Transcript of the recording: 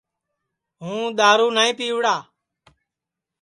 ہُوں دؔارُو نائی پِیوڑا